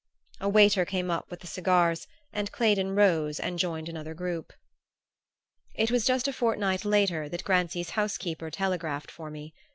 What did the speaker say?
A waiter came up with the cigars and Claydon rose and joined another group. It was just a fortnight later that Grancy's housekeeper telegraphed for me.